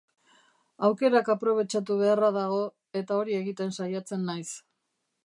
Aukerak aprobetxatu beharra dago, eta hori egiten saiatzen naiz.